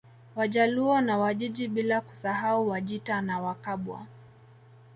Wajaluo na Wajiji bila kusahau Wajita na Wakabwa